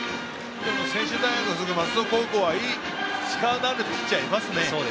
専大松戸高校は力のあるピッチャーがいますね。